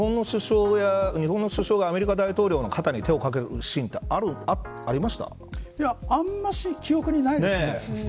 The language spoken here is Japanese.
日本の首相がアメリカの大統領の方に手をかけるシーンはあんまり記憶にないですね。